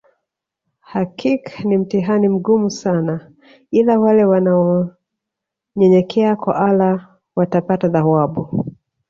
Hakik ni mtihani mgumu sana ila wale wanaonyenyekea kw allah watapata thawabu